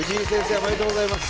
おめでとうございます。